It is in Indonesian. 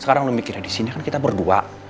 sekarang lo mikirnya disini kan kita berdua